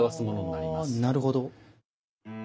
なるほど。